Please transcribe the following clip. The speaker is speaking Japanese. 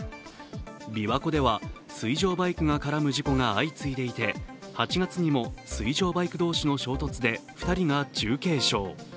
びわ湖では水上バイクが絡む事故が相次いでいて８月にも水上バイク同士の衝突で２人が重軽傷。